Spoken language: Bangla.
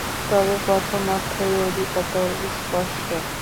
তবে প্রথম অর্থই অধিকতর স্পষ্ট।